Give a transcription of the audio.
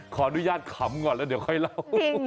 ขออนุญาตขำก่อนแล้วเดี๋ยวค่อยเล่า